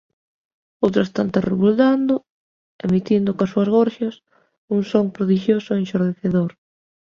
outras tantas rebuldando, emitindo coas súas gorxas un son prodixioso e enxordecedor.